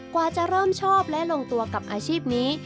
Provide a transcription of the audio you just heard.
กว่าจะเริ่มชอบและลงตัวกับอาชีพนี้